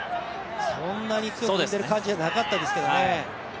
そんなに強く踏んでる感じじゃなかったですけどね。